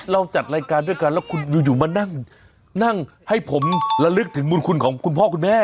จัดรายการด้วยกันแล้วคุณอยู่มานั่งให้ผมระลึกถึงบุญคุณของคุณพ่อคุณแม่